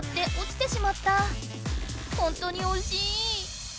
ほんとにおしい。